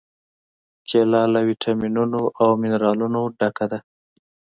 کېله له واټامینونو او منرالونو ډکه ده.